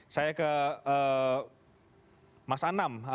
saya ke mas anam